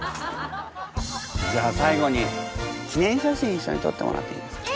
じゃあ最後に記念写真一緒に撮ってもらっていいですか？